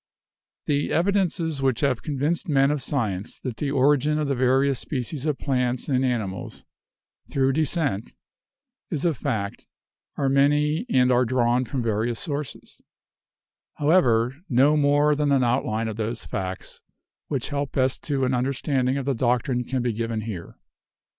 The evidences which have convinced men of science that the origin of the various species of plants and ani mals through descent is a fact are many and are drawn from various sources; however, no more than an outline of those facts which help best to an understanding of the doctrine can be given here.